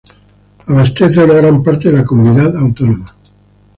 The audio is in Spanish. Abastece a una gran parte de la comunidad autónoma.